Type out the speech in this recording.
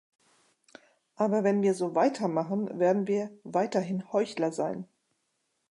Aber wenn wir so weitermachen, werden wir weiterhin Heuchler sein.